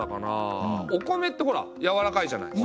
お米ってほらやわらかいじゃない。